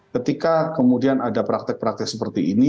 ketika kemudian ada praktek praktek sebagainya gitu itu juga menjadi penting gitu